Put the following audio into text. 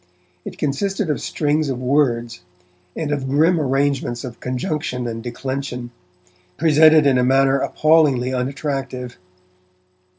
It consisted of strings of words, and of grim arrangements of conjunction and declension, presented in a manner appallingly unattractive.